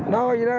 nó lừa đảo